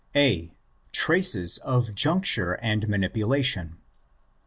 A.—Traces of Juncture and Manipulation.